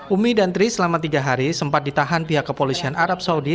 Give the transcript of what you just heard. umi dan tri selama tiga hari sempat ditahan pihak kepolisian arab saudi